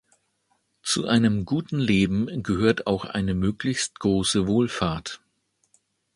Zu einem guten Leben gehört auch eine möglichst große Wohlfahrt.